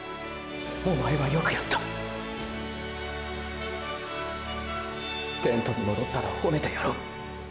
おまえはよくやったテントに戻ったら褒めてやろう。